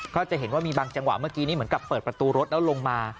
ก็จะเห็นว่ามีบางจังหวะเมื่อกี้นี้เหมือนกับเปิดประตูรถแล้วลงมา